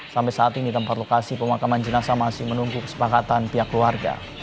sampai saat ini tempat lokasi pemakaman jenazah masih menunggu kesepakatan pihak keluarga